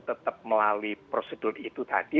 tetap melalui prosedur itu tadi